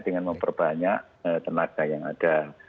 dengan memperbanyak tenaga yang ada